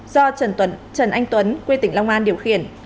do trần anh tuấn quê tỉnh long an điều khiển